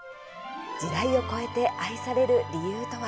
時代を超えて愛される理由とは。